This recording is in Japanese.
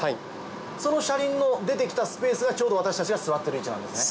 その車輪の出てきたスペースがちょうど私たちが座っている位置なんですね。